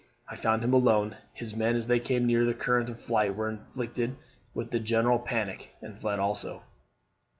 I found him alone. His men, as they came near the current of flight, were infected with the general panic, and fled also.